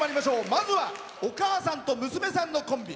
まずはお母さんと娘さんのコンビ。